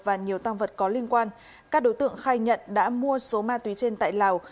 và nhiều tăng vật có liên quan các đối tượng khai nhận đã mua số ma túy trên tại lào